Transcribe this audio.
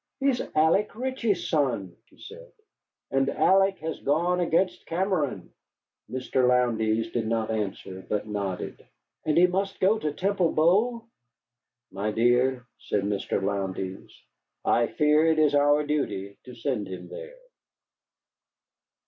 "He is Alec Ritchie's son," she said, "and Alec has gone against Cameron." Mr. Lowndes did not answer, but nodded. "And must he go to Temple Bow?" "My dear," said Mr. Lowndes, "I fear it is our duty to send him there."